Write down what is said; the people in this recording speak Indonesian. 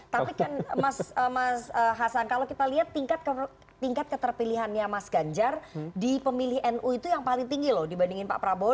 tapi kan mas hasan kalau kita lihat tingkat keterpilihannya mas ganjar di pemilih nu itu yang paling tinggi loh dibandingin pak prabowo